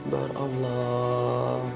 selamat malam bu